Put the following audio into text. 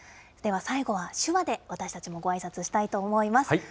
では最後は手話で、私たちもごあいさつしたいと思います。